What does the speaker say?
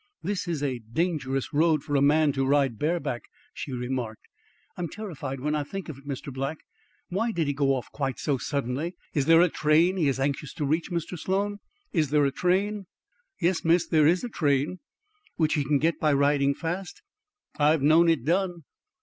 "This is a dangerous road for a man to ride bareback," she remarked. "I'm terrified when I think of it, Mr. Black. Why did he go off quite so suddenly? Is there a train he is anxious to reach? Mr. Sloan, is there a train?" "Yes, Miss, there is a train." "Which he can get by riding fast?" "I've known it done!"